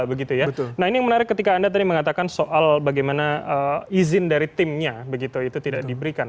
nah ini yang menarik ketika anda tadi mengatakan soal bagaimana izin dari timnya begitu itu tidak diberikan